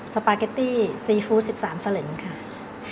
สปาเกตตี้ซีฟู้ด๑๓สลึงค่ะ